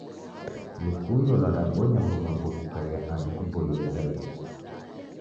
Lukundo lwadabonya w'urumwengu kukaiya andu kuboie zaidi.